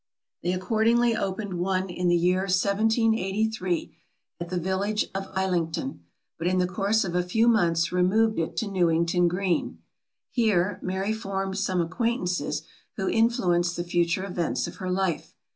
They accordingly opened one in the year 1783, at the village of Islington; but in the course of a few months removed it to Newington Green. Here Mary formed some acquaintances who influenced the future events of her life.